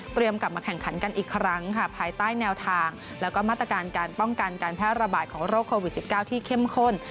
กลับมาแข่งขันกันอีกครั้งค่ะภายใต้แนวทางแล้วก็มาตรการการป้องกันการแพร่ระบาดของโรคโควิด๑๙ที่เข้มข้น